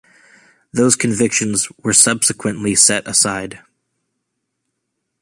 Those convictions were subsequently set aside.